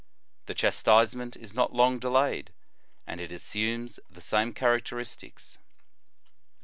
The chastisement is not long delayed, and it assumes the same characteristics.